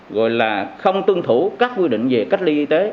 gọi là không tương thủ các quy định về kết ly y tế